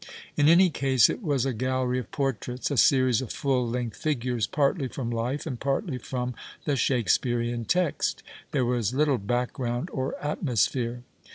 In any case it was a gallery of portraits — a series of full length figures partly from life and partly from the Shake spearean text. There was little background or atmosphere.